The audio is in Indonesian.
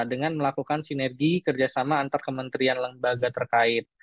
dengan melakukan sinergi kerjasama antar kementerian lembaga terkait